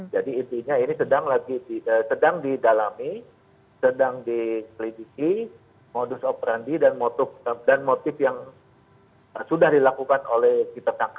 jadi intinya ini sedang lagi sedang didalami sedang dikliniki modus operandi dan motif yang sudah dilakukan oleh kita sangka ya